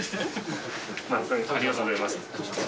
ありがとうございます。